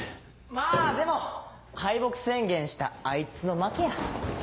まぁでも敗北宣言したあいつの負けや。